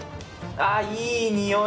ああいい匂い。